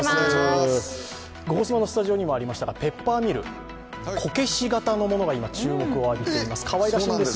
「ゴゴスマ」のスタジオにもありましたがペッパーミル、こけし型のものが今、注目されています。